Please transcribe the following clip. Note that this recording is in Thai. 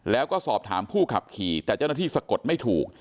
แล้วก็สอบถามผู้ขับขี่แต่เจ้าหน้าที่สะกดไม่ถูก